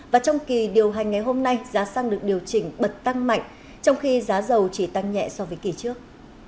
và trong kỳ điều hành ngày hôm nay giá xăng được điều chỉnh bật tăng mạnh trong khi giá dầu chỉ tăng nhẹ so với kỳ trước